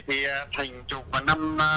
thì thành chụp vào năm hai nghìn một mươi bốn